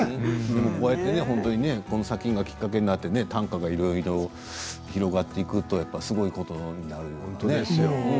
この作品がきっかけになって短歌がいろいろ広がっていくのもすごいことですね。